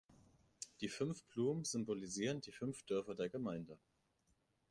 Die fünf Blumen symbolisieren die fünf Dörfer der Gemeinde.